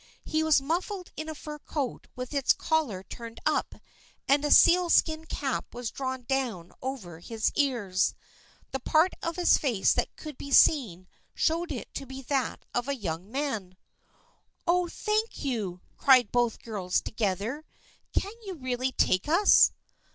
He was muffled in a fur coat with its collar turned up, and a seal skin cap was drawn down over his ears. The part of his face that could be seen showed it to be that of a young man. " Oh, thank you !" cried both the girls together. " Can you really take us